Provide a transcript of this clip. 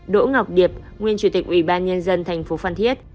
đỗ ngọc điệp nguyên chủ tịch ủy ban nhân dân thành phố phan thiết